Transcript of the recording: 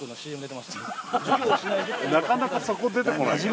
なかなかそこ出てこないよ。